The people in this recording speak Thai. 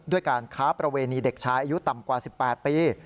ด้วยการค้าประเวณีเด็กชายอายุต่ำกว่า๑๘ปี